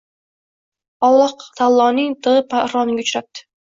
Olloh taoloning tig‘i parroniga uchrabdi.